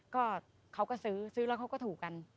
ก็เขาก็ซื้อซื้อแล้วเขาก็ถูกกัน